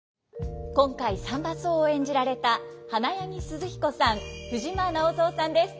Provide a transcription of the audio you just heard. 今回三番叟を演じられた花柳寿々彦さん藤間直三さんです。